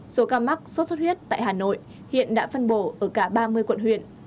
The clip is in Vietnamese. số ca mắc sốt xuất huyết tại hà nội hiện đã phân bổ ở cả ba mươi quận huyện